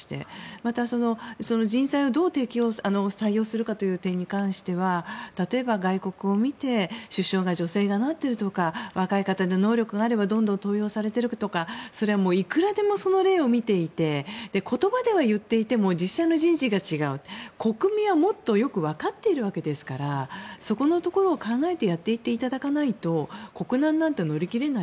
また、人材をどう採用するかという点に関しては例えば外国を見て首相が女性がなっているとか若い方で能力があればどんどん登用されているとかそれはいくらでもその例を見ていて言葉では言っていても実際の人事が違う国民はもっとよくわかっているわけですからそこのところを考えてやっていっていただかないと国難なんて乗り切れない。